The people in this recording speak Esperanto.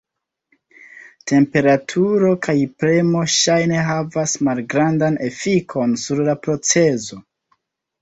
Temperaturo kaj premo ŝajne havas malgrandan efikon sur la procezo.